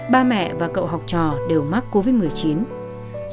ba mẹ và cậu học trò đều mắc covid một mươi chín